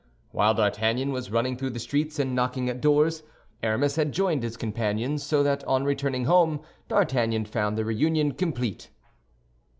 While D'Artagnan was running through the streets and knocking at doors, Aramis had joined his companions; so that on returning home D'Artagnan found the reunion complete.